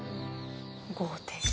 豪邸。